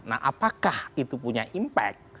nah apakah itu punya impact